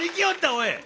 おい！